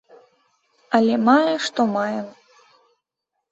Але мае што маем.